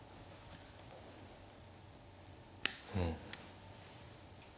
うん。